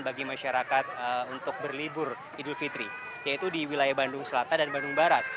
bagi masyarakat untuk berlibur idul fitri yaitu di wilayah bandung selatan dan bandung barat